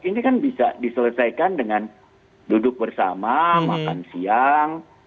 ini kan bisa diselesaikan dengan duduk bersama makan siang